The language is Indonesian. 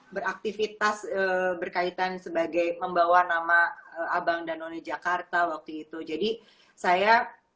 beraktivitas berkaitan sebagai membawa nama abang dan none jakarta waktu itu jadi saya